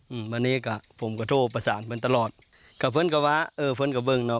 อืมวันนี้ก็ผมก็โทรประสานเพื่อนตลอดกับเพื่อนก็ว่าเออเพื่อนกระเบิ้งเนา